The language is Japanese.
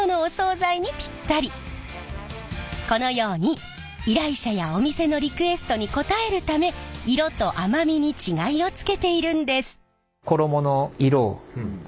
このように依頼者やお店のリクエストに応えるため色と甘みに違いをつけているんです！